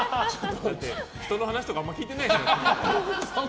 人の話とかあんまり聞いてないから。